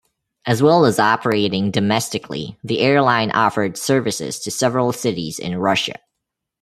As well as operating domestically, the airline offered services to several cities in Russia.